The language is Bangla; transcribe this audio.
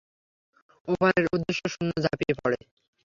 ওপারের উদ্দেশে শূন্যে ঝাঁপিয়ে পড়ে।